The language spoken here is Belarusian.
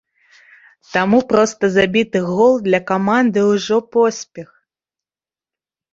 Таму проста забіты гол для каманды ўжо поспех.